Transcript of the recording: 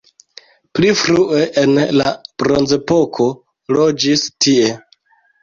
Pli frue en la bronzepoko loĝis tie.